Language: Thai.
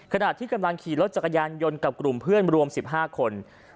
ขณะที่กำลังขี่รถจักรยานยนต์กับกลุ่มเพื่อนรวม๑๕คน